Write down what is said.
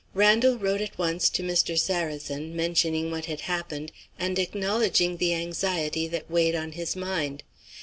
Randal wrote at once to Mr. Sarrazin, mentioning what had happened, and acknowledging the anxiety that weighed on his mind.